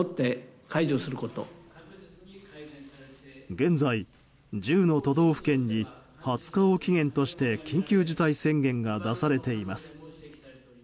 現在、１０の都道府県に２０日を期限として緊急事態宣言が出されています。